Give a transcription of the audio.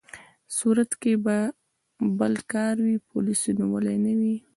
صورت کې که بل کار وي، پولیسو نیولي نه وي.